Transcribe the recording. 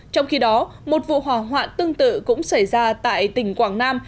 trong khi đó một vụ hỏa hoạn tương tự cũng xảy ra tại tỉnh quảng nam